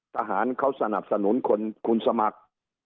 ทหารเขาสนับสนุนคนคุณสมัคร